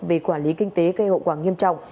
về quản lý kinh tế gây hậu quả nghiêm trọng